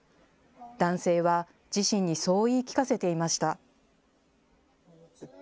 男性は自身にそう言い聞かせていました。